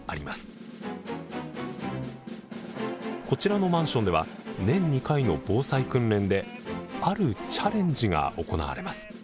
こちらのマンションでは年２回の防災訓練であるチャレンジが行われます。